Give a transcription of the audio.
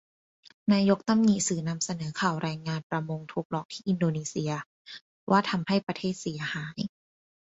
นายกตำหนิสื่อนำเสนอข่าวแรงงานประมงถูกหลอกที่อินโดนีเชีย ว่าทำให้ประเทศเสียหาย